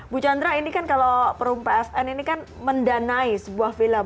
bu chandra ini kan kalau perum psn ini kan mendanai sebuah film